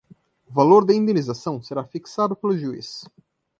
O valor da indenização será fixado pelo juiz